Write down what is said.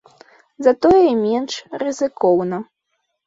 Затое і менш рызыкоўна.